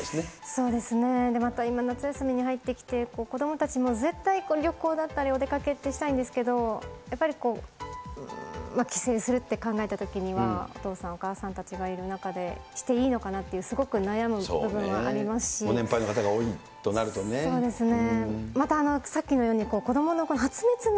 そうですね、また今、夏休みに入ってきて、子どもたちも絶対旅行だったり、お出かけをしたいんですけれども、やっぱりこう、帰省するって考えたときには、お父さん、お母さんたちがいる中でしていいのかなって、すごく悩む部分はあご年配の方が多いとなるとね。